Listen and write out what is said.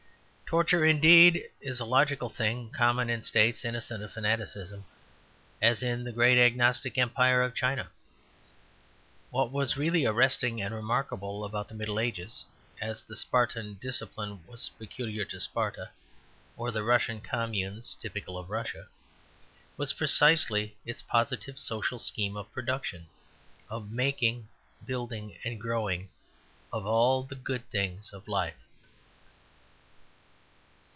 Torture, indeed, is a logical thing common in states innocent of fanaticism, as in the great agnostic empire of China. What was really arresting and remarkable about the Middle Ages, as the Spartan discipline was peculiar to Sparta, or the Russian communes typical of Russia, was precisely its positive social scheme of production, of the making, building and growing of all the good things of life.